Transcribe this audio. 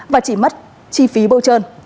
và chỉ mất chi phí bâu trơn